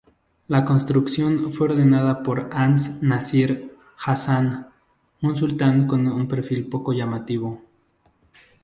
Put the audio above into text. Su construcción fue ordenada por An-Nasir Hasan, un sultán con un perfil poco llamativo.